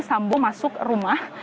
sambo masuk rumah